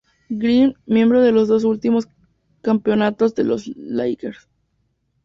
Green, miembro de los dos últimos campeonatos de los Lakers.